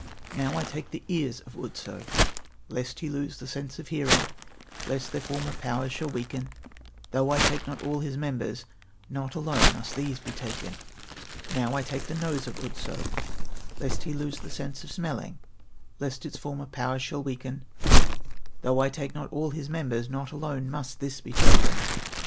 "Now I take the ears of Otso, Lest he lose the sense of hearing, Lest their former powers shall weaken; Though I take not all his members, Not alone must these be taken. "Now I take the nose of Otso, Lest he lose the sense of smelling, Lest its former powers shall weaken; Though I take not all his members, Not alone must this be taken.